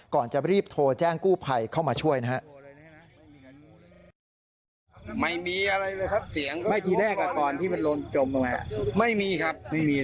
ก่อนจะรีบโทรแจ้งกู้ภัยเข้ามาช่วยนะครับ